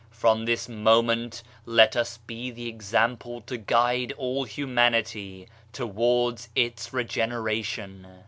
From this moment let us be the example to guide all humanity towards its regeneration